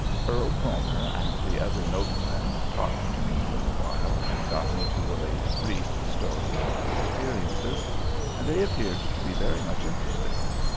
Earl Cromer and the other noblemen talked to me for a while and got me to relate in brief the story of my experiences, and they appeared to be very much interested.